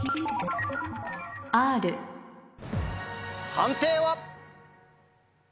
判定は？